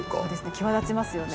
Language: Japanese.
際立ちますよね。